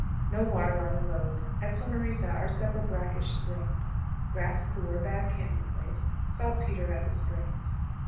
No water on the road; at Sonorita are several brackish springs. Grass poor; bad camping place; saltpetre at the springs.